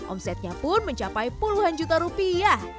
omsetnya pun mencapai puluhan juta rupiah